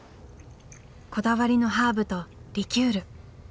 こだわりのハーブとリキュール。